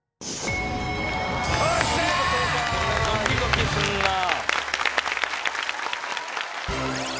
ドキドキすんなぁ。